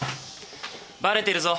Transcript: バレてるぞ。